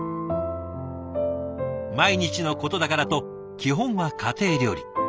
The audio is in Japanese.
毎日のことだからと基本は家庭料理。